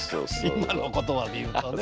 今の言葉で言うとね。